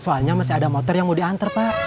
soalnya masih ada motor yang mau diantar pak